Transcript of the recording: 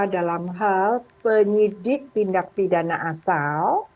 dalam hal penyidik tindak pidana asal